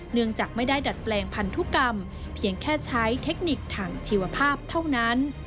เนื่องจากไม่ได้ดัดแปลงพันธุกรรมเพียงแค่ใช้เทคนิคทางชีวภาพเท่านั้น